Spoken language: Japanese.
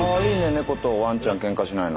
猫とワンちゃんけんかしないの。